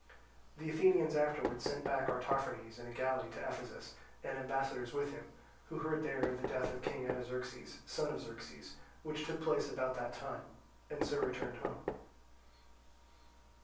The Athenians afterwards sent back Artaphernes in a galley to Ephesus, and ambassadors with him, who heard there of the death of King Artaxerxes, son of Xerxes, which took place about that time, and so returned home.